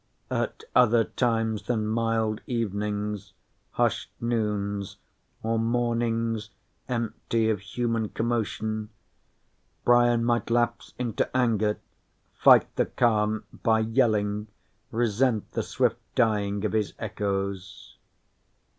At other times than mild evenings, hushed noons or mornings empty of human commotion, Brian might lapse into anger, fight the calm by yelling, resent the swift dying of his echoes.